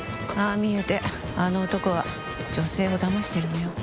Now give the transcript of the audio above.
見えてあの男は女性をダマしてるのよ